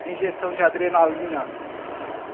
Injeção de adrenalina